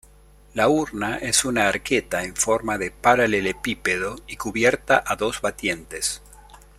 La urna es una arqueta en forma de paralelepípedo y cubierta a dos batientes.